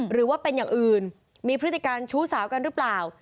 หรือว่าเป็นอย่างอื่นมีพฤติการชู้สาวกันหรือเปล่า